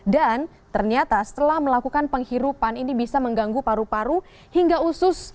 dan ternyata setelah melakukan penghirupan ini bisa mengganggu paru paru hingga usus